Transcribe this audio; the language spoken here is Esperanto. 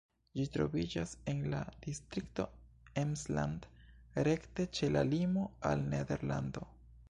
Ĝi troviĝas en la distrikto Emsland, rekte ĉe la limo al Nederlando.